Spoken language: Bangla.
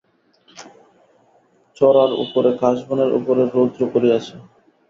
চড়ার উপরে কাশবনের উপরে রৌদ্র পড়িয়াছে।